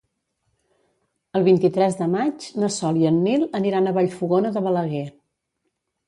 El vint-i-tres de maig na Sol i en Nil aniran a Vallfogona de Balaguer.